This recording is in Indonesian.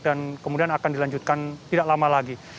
dan kemudian akan dilanjutkan tidak lama lagi